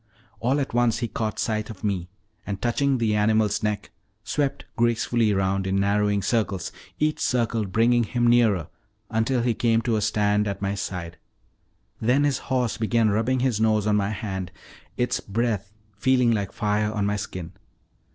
All at once he caught sight of me, and, touching the animal's neck, swept gracefully round in narrowing circles, each circle bringing him nearer, until he came to a stand at my side; then his horse began rubbing his nose on my hand, its breath feeling like fire on my skin.